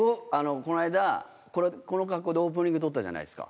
この間この格好でオープニング撮ったじゃないっすか。